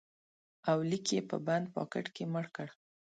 اولیک یې په بند پاکټ کې مړ کړ